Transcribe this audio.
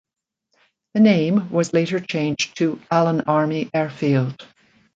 The name was later changed to Allen Army Airfield.